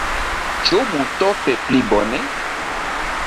Ĉu multope pli bone?